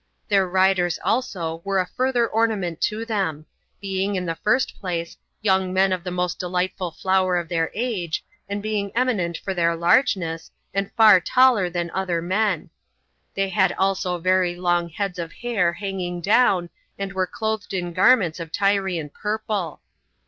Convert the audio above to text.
Their riders also were a further ornament to them, being, in the first place, young men in the most delightful flower of their age, and being eminent for their largeness, and far taller than other men. They had also very long heads of hair hanging down, and were clothed in garments of Tyrian purple.